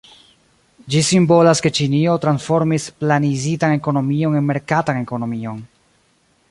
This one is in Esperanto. Ĝi simbolas ke Ĉinio transformis planizitan ekonomion en merkatan ekonomion.